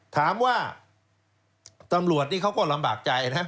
ถามว่าตำรวจนี่เขาก็ลำบากใจนะ